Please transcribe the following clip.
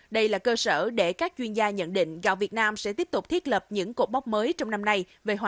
đây là cơ sở để các chuyên gia nhận định gạo việt nam sẽ tiếp tục thiết lập những cột mốc mới trong năm nay